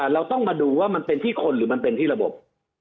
เราต้องมาดูว่ามันเป็นที่คนหรือมันเป็นที่ระบบ